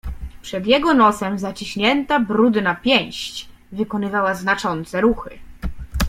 "Przed jego nosem zaciśnięta brudna pięść wykonywała znaczące ruchy."